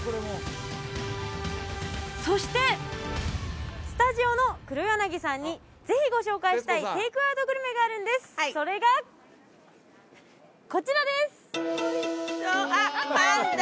そしてスタジオの黒柳さんにぜひご紹介したいテイクアウトグルメがあるんですそれがこちらです！